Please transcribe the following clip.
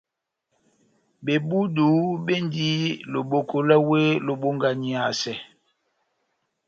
Bebudu bendi loboko lá wéh lobonganiyasɛ.